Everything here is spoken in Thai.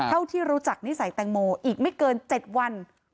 เท่าที่รู้จักนิสัยแตงโมอีกไม่เกิน๗วัน